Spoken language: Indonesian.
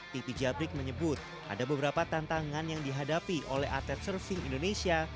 titi jabrik menyebut ada beberapa tantangan yang dihadapi oleh atlet surfing indonesia